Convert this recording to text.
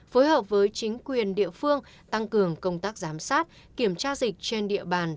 phối hợp với chính quyền địa phương tăng cường công tác giám sát kiểm tra dịch trên địa bàn